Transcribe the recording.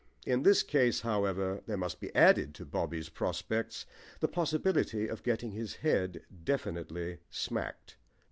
In this case, however, there must be added to Bobby's prospects the possibility of getting his head definitely smacked.